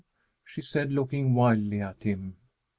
she said, looking wildly at him.